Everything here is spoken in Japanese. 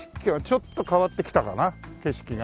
ちょっと変わってきたかな景色が。